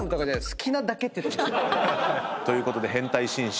好きなだけって。ということで変態紳士